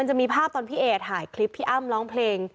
มันจะมีภาพพี่เอเขาติดถ่ายคลิปพี่อ้ามร้องเพลง